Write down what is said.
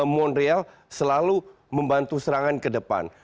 monreal selalu membantu serangan ke depan